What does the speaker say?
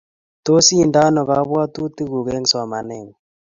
tos inde ano kabwatutik guuk eng' somanengun